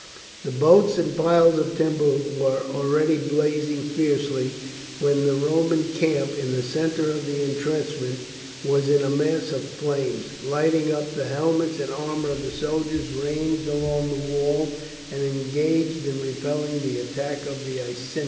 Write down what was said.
The boats and piles of timber were already blazing fiercely, while the Roman camp, in the centre of the intrenchment, was in a mass of flames, lighting up the helmets and armour of the soldiers ranged along the wall, and engaged in repelling the attacks of the Iceni.